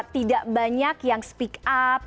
tidak banyak yang speak up